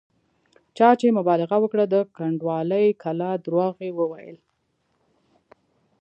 چا چې مبالغه وکړه د کنډوالې کلا درواغ یې وویل.